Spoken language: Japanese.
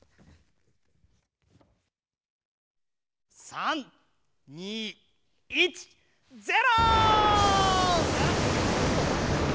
３２１０！